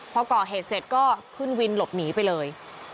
พอก่อเหตุเสร็จก็ขึ้นวินหลบหนีไปเลย